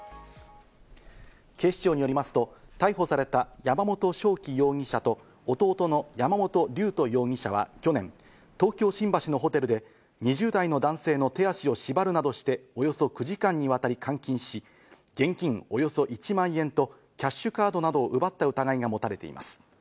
警視庁によりますと逮捕された山本翔輝容疑者と弟の山本龍斗容疑者は去年、東京・新橋のホテルで２０代の男性の手足を縛るなどして、およそ９時間にわたり監禁し、現金およそ１万円とキャッシュカードなどを奪った疑いが持たれています。